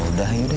yaudah yuk deh